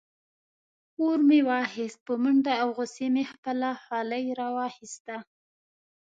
اور مې واخیست په منډه او غصې مې خپله خولۍ راواخیسته.